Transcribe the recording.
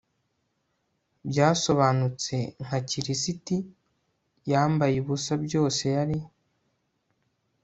byasobanutse nka kirisiti, yambaye ubusa byose yari